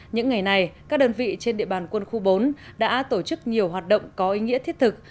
những ngày này các đơn vị trên địa bàn quân khu bốn đã tổ chức nhiều hoạt động có ý nghĩa thiết thực